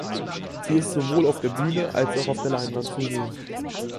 Sie ist sowohl auf der Bühne als auch auf der Leinwand zu sehen.